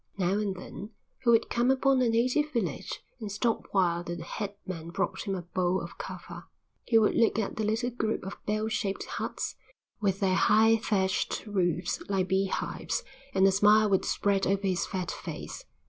Now and then he would come upon a native village and stop while the head man brought him a bowl of kava. He would look at the little group of bell shaped huts with their high thatched roofs, like beehives, and a smile would spread over his fat face.